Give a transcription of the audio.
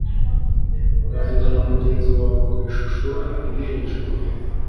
Ganira na mugenzi wawe ku ishusho riri hejuru aha